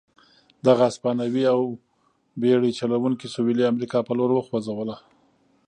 دغه هسپانوي او بېړۍ چلوونکي سوېلي امریکا په لور وخوځوله.